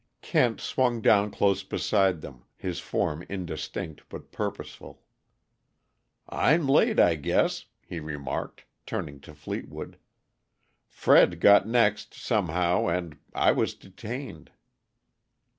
Kent swung down close beside them, his form indistinct but purposeful. "I'm late, I guess," he remarked, turning to Fleetwood. "Fred got next, somehow, and I was detained."